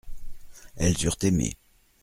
Elles eurent aimé.